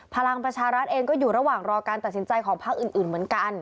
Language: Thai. พลังประชารัฐเองก็อยู่ระหว่างรอการตัดสินใจของพักอื่นเหมือนกัน